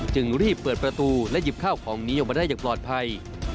จึงรีบเปิดประตูและหยิบข้าวของนี้ออกมาได้อย่างปลอดภัย